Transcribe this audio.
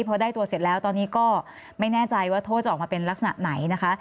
พอได้ตัวเสร็จแล้วตอนนี้ก็ไม่แน่ใจว่าโทษจะออกมาเป็นลักษณะไหนนะคะ